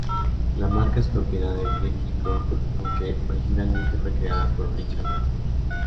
La marca es propiedad del Virgin Group, aunque originalmente fue creada por Richard Branson.